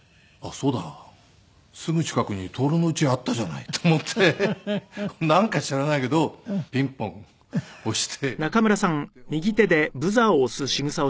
そうだすぐ近くに徹の家があったじゃないと思ってなんか知らないけどピンポン押して「おーい」とか言って。